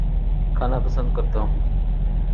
کھانا پسند کرتا ہوں